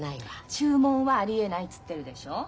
注文はありえないっつってるでしょ。